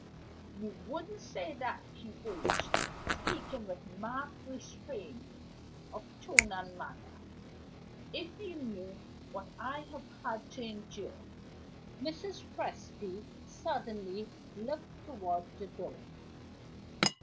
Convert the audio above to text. "You wouldn't say that," he urged, speaking with marked restraint of tone and manner, "if you knew what I have had to endure " Mrs. Presty suddenly looked toward the door.